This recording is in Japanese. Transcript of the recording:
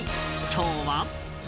今日は。